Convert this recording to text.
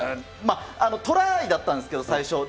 トラーイ！だったんですけど、最初。